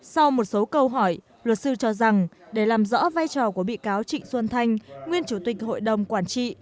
sau một số câu hỏi luật sư cho rằng để làm rõ vai trò của bị cáo trịnh xuân thanh nguyên chủ tịch hội đồng quản trị